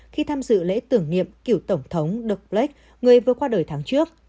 khi tham dự lễ tưởng niệm cựu tổng thống doug blake người vừa qua đời tháng trước